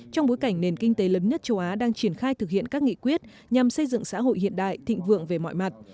trong bối cảnh nền kinh tế lớn nhất châu á đang triển khai thực hiện các nghị quyết nhằm xây dựng xã hội hiện đại thịnh vượng về mọi mặt